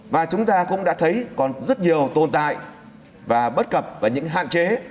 và chúng ta cũng đã thấy còn rất nhiều tồn tại và bất cập và những hạn chế